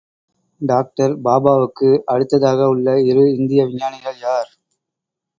Doctor பாபாவுக்கு அடுத்ததாக உள்ள இரு இந்திய அணு விஞ்ஞானிகள் யார்?